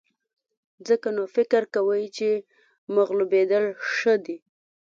ځکه نو فکر کوئ چې مغلوبېدل ښه دي.